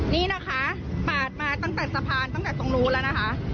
นี่นะคะเปิดตั้งแต่สะพานต้องแต่ตรงนู้นแล้ว